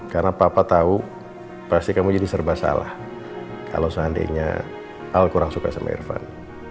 karena papa tau pasti kamu jadi serba salah kalau seandainya al kurang suka sama irfan